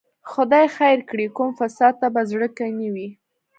خدای خیر کړي، کوم فساد ته په زړه کې نه وي.